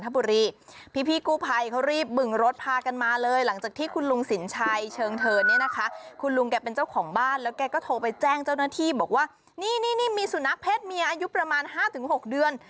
บอกว่านี่นี่นี่มีสุนัขเพชรเมียอายุประมาณห้าถึงหกเดือน